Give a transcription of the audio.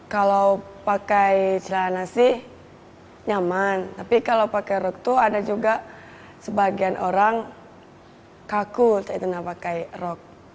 kalau pakai celana sih nyaman tapi kalau pakai rok tuh ada juga sebagian orang kaku itu nggak pakai rok